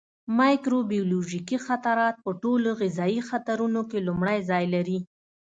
مایکروبیولوژیکي خطرات په ټولو غذایي خطرونو کې لومړی ځای لري.